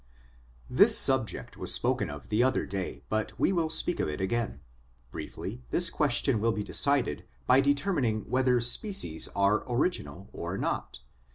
This subject was spoken of the other day, but we will speak of it again. Briefly, this question will be decided by determining whether species are original or not.